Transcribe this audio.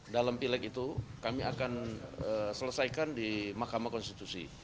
dalam pileg itu kami akan selesaikan di mahkamah konstitusi